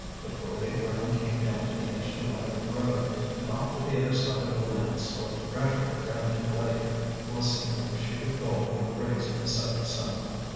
The parade ground came down to the edge of the wagon road, and off to the other side the land sloped gradually down to the lake, glistening like a sheet of gold in the rays of the setting sun.